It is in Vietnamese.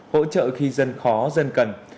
hỗ trợ khi dân khó dân cần